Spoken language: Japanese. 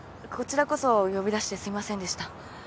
こちらこそ呼び出してすいませんでした。